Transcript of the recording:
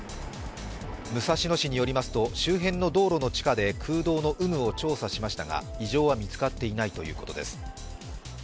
武蔵野市によりますと周辺の道路の地下で空洞の有無を調査しましたが異常は見つかっていないということです。